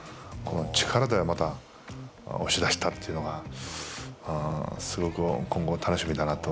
力ではまた押し出したというのがすごく今後、楽しみだなと。